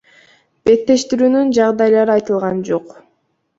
Беттештирүүнүн жагдайлары айтылган жок.